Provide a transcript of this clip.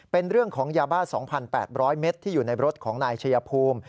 เป็นเรื่องของยาบ้า๒๘๐๐เมตรที่อยู่ในรถของนายชายภูมิ